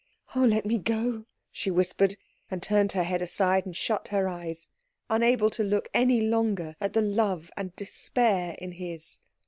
"Oh, let me go " she whispered; and turned her head aside, and shut her eyes, unable to look any longer at the love and despair in his.